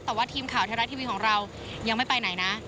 แต่ว่าทีมข่าวไทยรัฐทีวีของเรายังไม่ไปไหนนะ